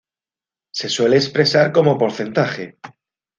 Se suele expresar como porcentaje.